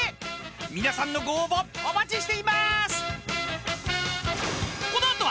［皆さんのご応募お待ちしていまーす！］